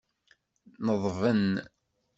Neḍben.